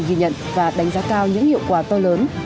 ghi nhận và đánh giá cao những hiệu quả to lớn